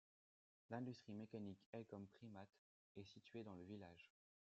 L'industrie mécanique Elkom primat est située dans le village.